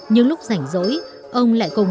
những lúc rảnh rỗi ông lại cùng